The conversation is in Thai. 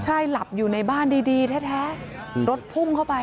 ใช่หลับอยู่ในบ้านดีแท้รถพุ่งเข้าไป